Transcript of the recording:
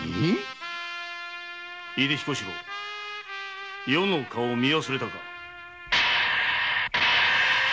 井出彦四郎余の顔を見忘れたか！